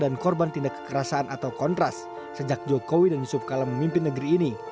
dan korban tindak kekerasan atau kontras sejak jokowi dan yusuf kalem memimpin negeri ini